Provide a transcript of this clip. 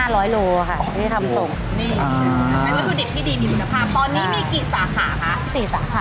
อันนี้สุดิบที่ดีมีรุนภาพตอนนี้มีกี่สาขาคะ